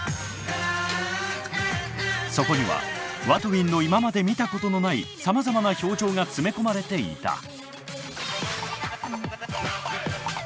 そこにはＷＡＴＷＩＮＧの今まで見たことのないさまざまな表情が詰め込まれていた。